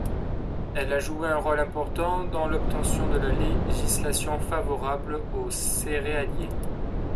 Elle a joué un rôle important dans l'obtention de la législation favorable aux céréaliers.